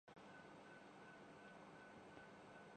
تو سیاست ومعیشت پر بھی اس کے اثرات مرتب ہوتے ہیں۔